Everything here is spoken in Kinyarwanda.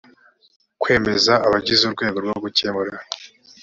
kwemeza abagize urwego rwo gukemura